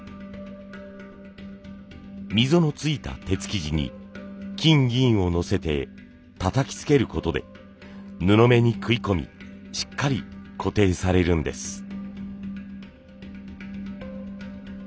溝のついた鉄生地に金銀をのせてたたきつけることで布目に食い込みしっかり固定されるんです。